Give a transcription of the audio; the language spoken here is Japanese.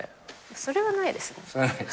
それはないですね。